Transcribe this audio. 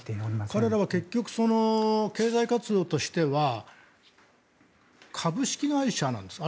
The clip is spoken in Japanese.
彼らは結局、経済活動としては株式会社なんですか？